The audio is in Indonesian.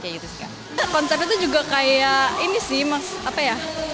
koncernya tuh juga kayak ini sih